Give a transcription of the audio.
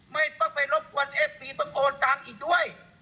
ไม่ต้องไปรบกวนเอฟซีต้องโอนตังค์อีกด้วย